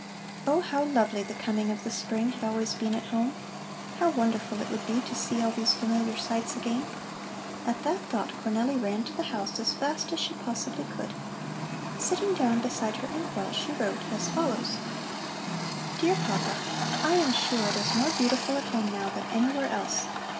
Oh, how lovely the coming of the spring had always been at home! How wonderful it would be to see all these familiar sights again! At that thought Cornelli ran to the house as fast as she possibly could. Sitting down beside her ink well she wrote as follows: DEAR PAPA: I am sure it is more beautiful at home now than anywhere else.